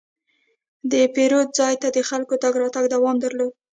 د پیرود ځای ته د خلکو تګ راتګ دوام درلود.